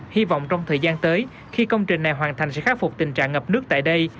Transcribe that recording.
hy vọng trong thời gian tới khi công trình này hoàn thành sẽ khắc phục tình trạng ngập nước tại đây